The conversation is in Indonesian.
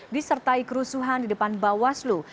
disertai kerusuhan di depan bawaslu